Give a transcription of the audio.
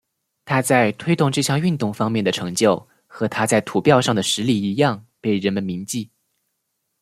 他在推动这项运动方面的成就和他在土俵上的实力一样被人们铭记。